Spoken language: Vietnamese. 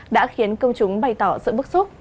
đã khiến công chúng bày tỏ sự bức xúc